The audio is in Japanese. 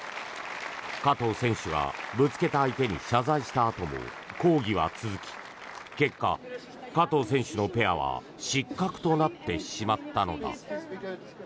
加藤選手がぶつけた相手に謝罪したあとも抗議は続き結果、加藤選手のペアは失格となってしまったのだ。